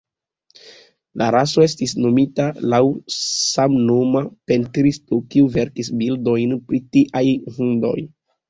La raso estis nomita laŭ samnoma pentristo, kiu verkis bildojn pri tiaj hundoj.